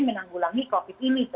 menanggulangi covid ini